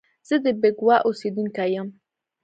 زه د بکواه اوسیدونکی یم